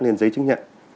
lên giấy chứng nhận